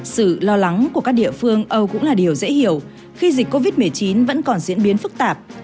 sự lo lắng của các địa phương âu cũng là điều dễ hiểu khi dịch covid một mươi chín vẫn còn diễn biến phức tạp